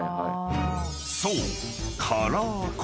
［そう］